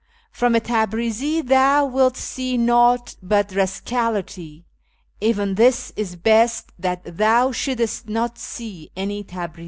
" From a Tabrizi thou wilt see naught but rascality : Even this is best that thou should'st not see any Tabrizi.